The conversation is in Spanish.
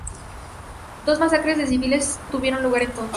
Dos masacres de civiles tuvieron lugar entonces.